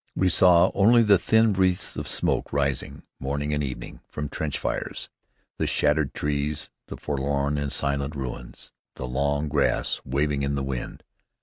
We saw only the thin wreaths of smoke rising, morning and evening, from trench fires; the shattered trees, the forlorn and silent ruins, the long grass waving in the wind.